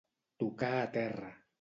Tocar a terra.